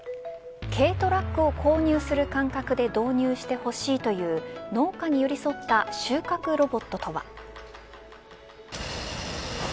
軽トラックを購入する感覚で導入してほしいという農家に寄り添った収穫ロボットとは。